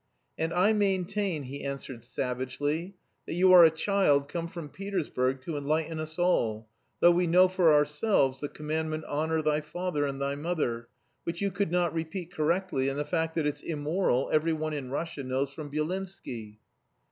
"And I maintain," he answered savagely, "that you are a child come from Petersburg to enlighten us all, though we know for ourselves the commandment 'honour thy father and thy mother,' which you could not repeat correctly; and the fact that it's immoral every one in Russia knows from Byelinsky."